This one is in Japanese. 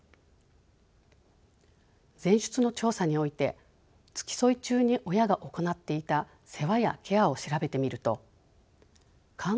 前出の調査において付き添い中に親が行っていた世話やケアを調べてみると看護補助者の業務